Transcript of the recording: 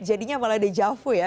jadinya malah deja vu ya